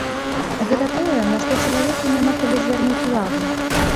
Гэта тое, на што чалавеку няма калі звярнуць увагу.